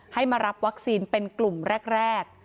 ให้มารับวัคซีนเป็นกลุ่มแรก